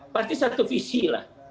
pasti satu visi lah